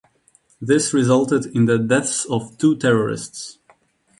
This resulted in the deaths of two terrorists.